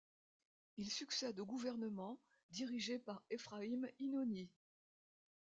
Il succède aux gouvernements dirigés par Ephraïm Inoni.